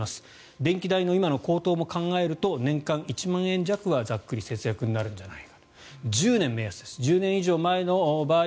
電気代の今の高騰も考えると年間１万円弱はざっくり節約になるんじゃないか。